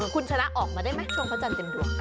คุณชนะออกมาได้ไหมช่วงพระจันทร์เต็มดวง